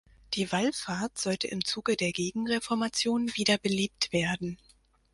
Die Wallfahrt sollte im Zuge der Gegenreformation wieder belebt werden.